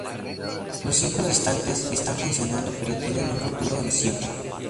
Los cinco restantes, están funcionando pero tienen un futuro incierto.